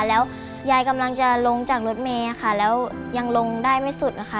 แล้วยายกำลังจะลงจากรถเมย์ค่ะแล้วยังลงได้ไม่สุดนะคะ